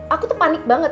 aku tuh panik banget